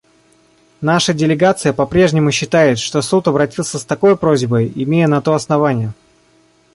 Наша делегация попрежнему считает, что Суд обратился с такой просьбой, имея на то основания.